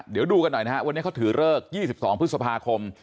เดี๋ยวดูกันหน่อยนะฮะวันนี้เขาถือเลิก๒๒พฤษภาคม